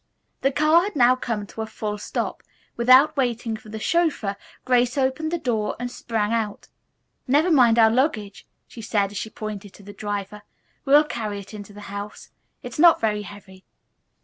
The car had now come to a full stop. Without waiting for the chauffeur Grace opened the door and sprang out. "Never mind our luggage," she said as she paid the driver. "We'll carry it into the house. It's not very heavy."